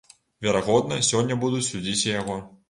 Верагодна, сёння будуць судзіць і яго.